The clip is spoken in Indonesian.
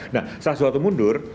nah setelah soeharto mundur